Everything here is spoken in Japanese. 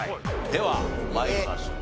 では参りましょう。